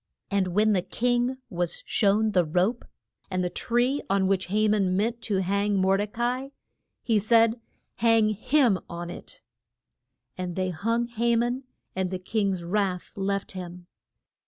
And when the king was shown the rope and the tree on which Ha man meant to hang Mor de ca i he said, Hang him on it. And they hung Ha man, and the king's wrath left him.